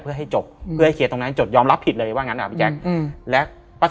เพื่อให้จบเพื่อให้เคลียร์ตรงนั้นจบยอมรับผิดเลยว่างั้นอ่ะพี่แจ๊ค